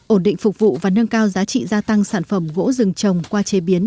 ổn định phục vụ và nâng cao giá trị gia tăng sản phẩm gỗ rừng trồng qua chế biến